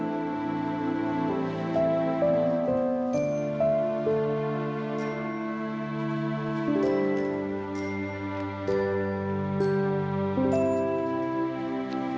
ada di dalam kalung ini